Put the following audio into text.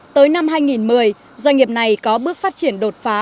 tới năm hai nghìn một mươi doanh nghiệp này có bước phát triển đột phá